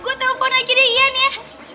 gue telepon lagi deh iya nih ya